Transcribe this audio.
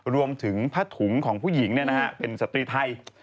รวมถึงผ้าถุงของผู้หญิงเป็นสตรีไทย